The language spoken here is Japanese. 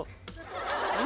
何？